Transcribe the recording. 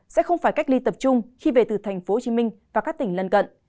sẽ không phải cách ly tập trung khi về từ tp hcm và các tỉnh lân cận